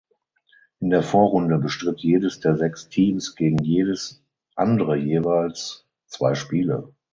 In der Vorrunde bestritt jedes der sechs Teams gegen jedes andere jeweils zwei Spiele.